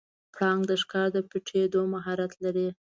پړانګ د ښکار د پټیدو مهارت لري.